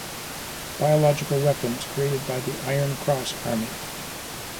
Biological weapons created by the Iron Cross Army.